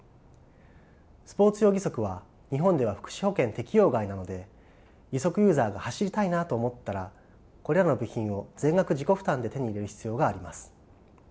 スポーツ用義足は日本では福祉保険適用外なので義足ユーザーが走りたいなと思ったらこれらの部品を全額自己負担で手に入れる必要があります。